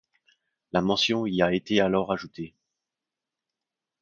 La mention y a été alors ajoutée.